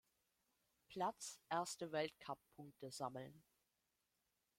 Platz erste Weltcup-Punkte sammeln.